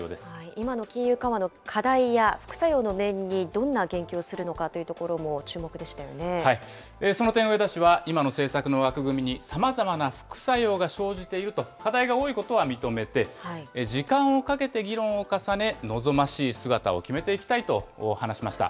今の金融緩和の課題や副作用の面にどんな言及をするのかといその点、植田氏は今の政策の枠組みにさまざまな副作用が生じていると、課題が多いことは認めて、時間をかけて議論を重ね、望ましい姿を決めていきたいと話しました。